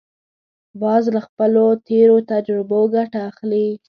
باز له خپلو تېرو تجربو ګټه اخلي